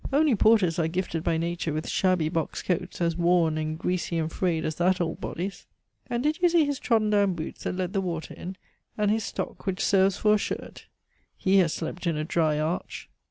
"Only porters are gifted by nature with shabby box coats, as worn and greasy and frayed as that old body's. And did you see his trodden down boots that let the water in, and his stock which serves for a shirt? He has slept in a dry arch."